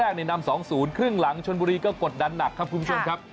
นำ๒๐ครึ่งหลังชนบุรีก็กดดันหนักครับคุณผู้ชมครับ